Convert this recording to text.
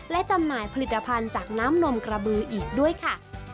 และจำหน่ายผลิตภัณฑ์จากน้ำนมกระบืออีกด้วยค่ะ